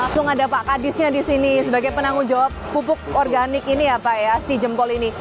langsung ada pak kadisnya di sini sebagai penanggung jawab pupuk organik ini ya pak ya si jempol ini